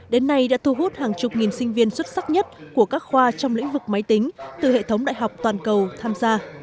đến nay đã thu hút hàng chục nghìn sinh viên xuất sắc nhất của các khoa trong lĩnh vực máy tính từ hệ thống đại học toàn cầu tham gia